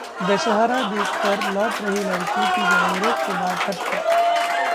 दशहरा देखकर लौट रही लड़की की गैंगरेप के बाद हत्या